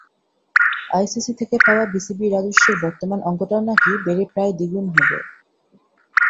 ICC থেকে পাওয়া বিসিবির রাজস্বের বর্তমান অঙ্কটাও নাকি বেড়ে প্রায় দ্বিগুণ হবে।